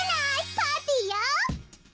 パーティーよ！